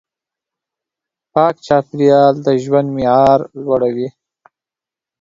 پاک چاپېریال د ژوند معیار لوړوي.